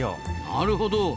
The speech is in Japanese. なるほど。